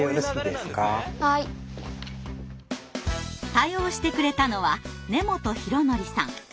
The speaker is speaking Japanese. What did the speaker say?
対応してくれたのは根本浩典さん。